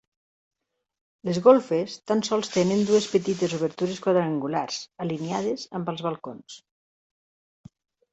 Les golfes tan sols tenen dues petites obertures quadrangulars, alineades amb els balcons.